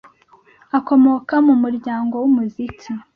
akomoka mumuryango wumuziki.